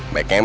baik emeng lo